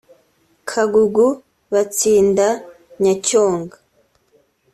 Kagugu-Batsinda-Nyacyonga